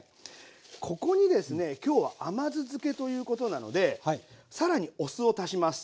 ここにですね今日は甘酢漬けということなので更にお酢を足します。